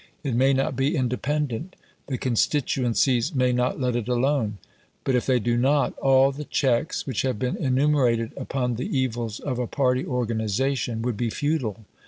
It may not be independent. The constituencies may not let it alone. But if they do not, all the checks which have been enumerated upon the evils of a party organisation would be futile.